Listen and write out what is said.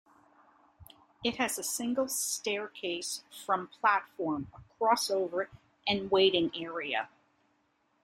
It has a single staircase from platform, a crossover, and waiting area.